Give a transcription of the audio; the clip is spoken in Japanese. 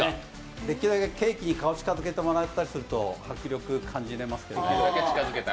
できるだけケーキに顔、近づけてくれたりすると迫力感じられますけど。